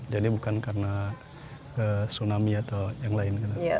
bukan karena tsunami atau yang lain